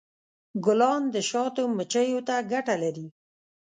ګلان د شاتو مچیو ته ګټه لري.